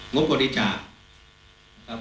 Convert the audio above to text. งบบริจาค